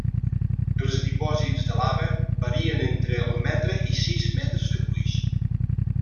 Els dipòsits de lava varien entre el metre i sis metres de gruix.